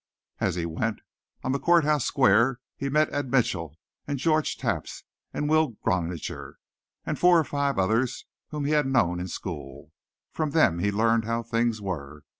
As he went, on the court house square he met Ed Mitchell and George Taps and Will Groniger, and four or five others whom he had known in school. From them he learned how things were.